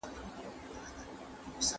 د ارغنداب سیند د حاصلاتو حاصلخېزي لوړوي.